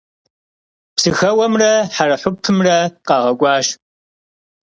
Псыхэуэмрэ хьэрэхьупымрэ къагъэкӀуащ.